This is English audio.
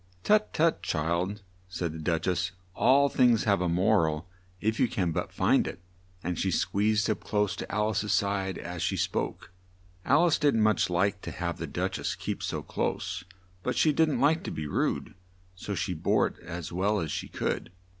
"Tut, tut, child!" said the Duch ess; "all things have a mor al if you can but find it." And she squeezed up close to Al ice's side as she spoke. Al ice did not much like to have the Duch ess keep so close, but she didn't like to be rude, so she bore it as well as she could.